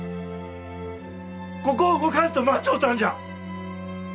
ここを動かんと待ちょったんじゃ。